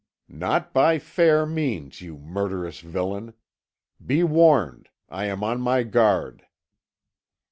"Not by fair means, you murderous villain. Be warned. I am on my guard."